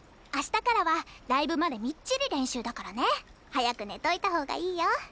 明日からはライブまでみっちり練習だからね。早く寝といた方がいいよ？